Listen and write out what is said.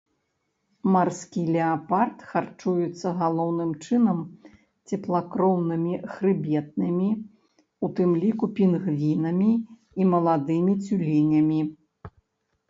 Марскі леапард харчуецца галоўным чынам цеплакроўнымі хрыбетнымі, у тым ліку пінгвінамі і маладымі цюленямі.